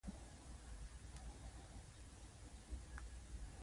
ملحد زړه ته یې د میني زبور راکړی